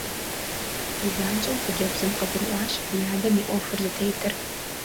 ЗанщӀэу хъыджэбзым къыгурыӀуащ и адэм и Ӏуэхур зытетыр.